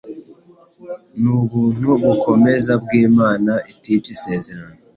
n’ubuntu bukomeza bw’Imana itica isezerano,